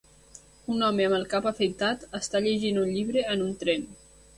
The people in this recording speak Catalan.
Un home amb el cap afaitat està llegint un llibre en un tren.